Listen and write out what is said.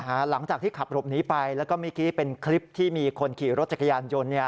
หลังจากที่ขับหลบหนีไปแล้วก็เมื่อกี้เป็นคลิปที่มีคนขี่รถจักรยานยนต์เนี่ย